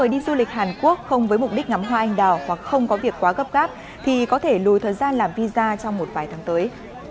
đi du lịch hàn quốc không với mục đích ngắm hoa anh đào hoặc không có việc quá gấp gáp thì có thể lùi thời gian làm visa trong một vài tháng tới